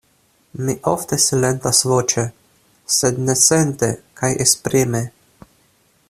Mi ofte silentas voĉe, sed ne sente kaj esprime.